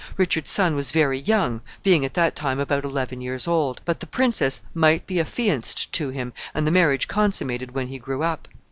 Richard's son was very young, being at that time about eleven years old; but the princess might be affianced to him, and the marriage consummated when he grew up.